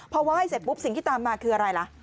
พอไหว้เสร็จปุ๊บสิ่งที่ตามมาคืออะไรล่ะ